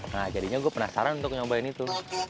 nah jadinya gue penasaran untuk nyobain itu